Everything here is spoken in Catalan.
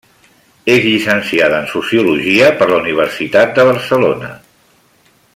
És llicenciada en Sociologia per la Universitat de Barcelona.